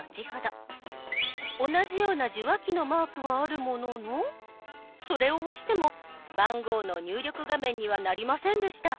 同じような受話器のマークはあるもののそれを押しても番号の入力画面にはなりませんでした。